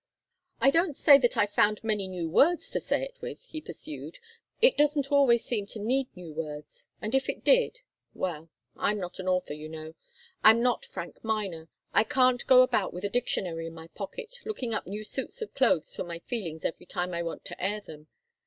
"I don't say that I've found many new words to say it with," he pursued. "It doesn't always seem to need new words, and if it did well, I'm not an author, you know. I'm not Frank Miner. I can't go about with a dictionary in my pocket, looking up new suits of clothes for my feelings every time I want to air them.